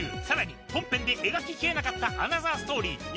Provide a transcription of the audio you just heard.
さらに本編で描ききれなかったアナザーストーリー